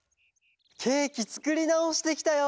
ケーキつくりなおしてきたよ。